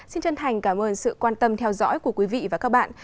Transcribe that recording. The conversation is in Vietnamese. xin chân thành cảm ơn sự quan tâm theo dõi của quý vị và các bạn